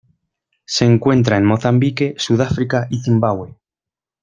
Se encuentra en Mozambique, Sudáfrica, y Zimbabue.